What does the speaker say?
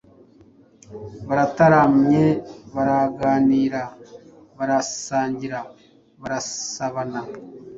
Barataramye baraganira barasangira, barasabana.